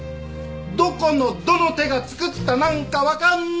どこのどの手が作ったなんかわかんない！